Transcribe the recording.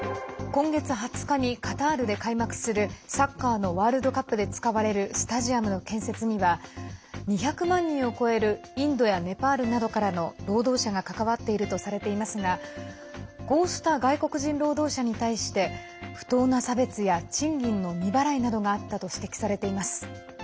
今月２０日にカタールで開幕するサッカーのワールドカップで使われるスタジアムの建設には２００万人を超えるインドやネパールなどからの労働者が関わっているとされていますがこうした外国人労働者に対して不当な差別や賃金の未払いなどがあったと指摘されています。